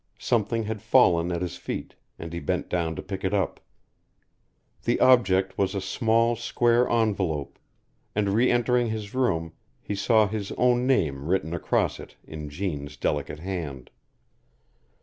Something had fallen at his feet, and he bent down to pick it up. The object was a small, square envelope; and re entering his room he saw his own name written across it in Jeanne's delicate hand.